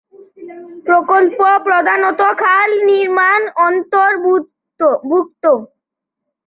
প্রকল্প প্রধানত খাল নির্মাণ অন্তর্ভুক্ত।